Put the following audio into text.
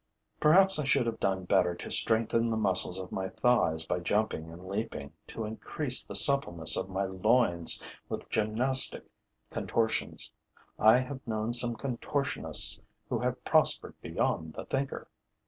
Perhaps I should have done better to strengthen the muscles of my thighs by jumping and leaping, to increase the suppleness of my loins with gymnastic contortions. I have known some contortionists who have prospered beyond the thinker.